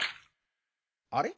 あれ？